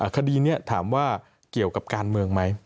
คดีนี้ถามว่าเกี่ยวกับการเมืองไหม